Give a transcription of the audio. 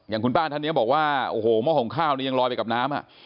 คุณป้าท่านนี้บอกว่าโอ้โหหม้อหงข้าวนี้ยังลอยไปกับน้ำอ่ะ